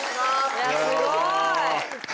いやすごい！